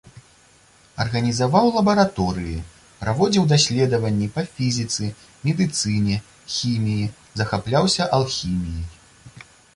Арганізаваў лабараторыі, праводзіў даследаванні па фізіцы, медыцыне, хіміі, захапляўся алхіміяй.